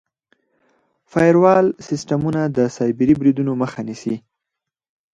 فایروال سیسټمونه د سایبري بریدونو مخه نیسي.